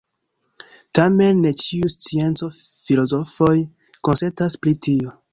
Tamen ne ĉiuj scienco-filozofoj konsentas pri tio.